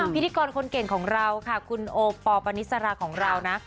พิธีกรคนเก่งของเราค่ะคุณโอปอลปานิสราของเรานะ